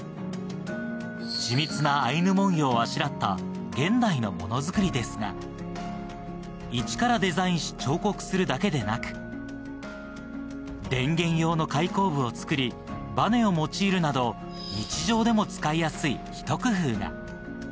緻密なアイヌ文様をあしらった現代のものづくりですが、イチからデザインし彫刻するだけでなく、電源用の開口部をつくり、バネを用いるなど、日常でも使いやすいひと工夫が。